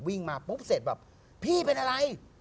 วิ่งมาปุ๊บเสร็จแบบพี่เป็นอะไร